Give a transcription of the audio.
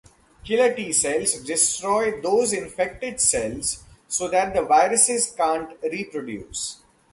Killer T-cells destroy those infected cells so that the viruses can't reproduce.